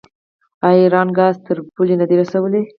آیا ایران ګاز تر پولې نه دی رسولی؟